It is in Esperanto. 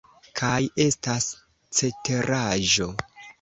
Kaj estas ceteraĵo.